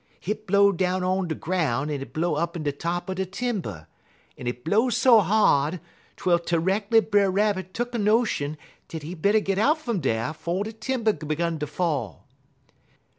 Hit blow down on de groun' en it blow up in de top er de timber, en it blow so hard twel terreckerly Brer Rabbit tuck a notion dat he better git out fum dar 'fo' de timber 'gun ter fall.